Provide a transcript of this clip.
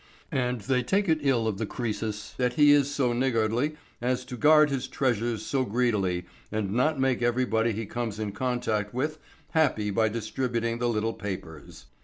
And they take it ill of the Croesus that he is so niggardly as to guard his treasures so greedily and not make everybody he comes in contact with happy by distributing the little papers.